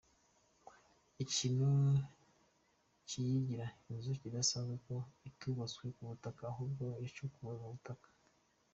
Ikintu kiyigira inzu idasanzwe ni uko itubatswe ku butaka ahubwo yacukuwe mu butaka.